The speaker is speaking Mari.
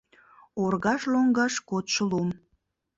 Оргаж лоҥгаш кодшо лум